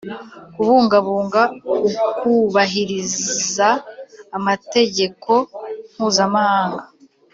kubungabunga ukubahiriza amategeko mpuzamahanga.